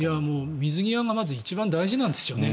水際対策が一番大切なんですよね。